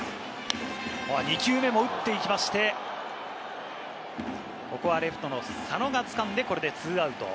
２球目も打っていきまして、ここはレフトの佐野がつかんで、これで２アウト。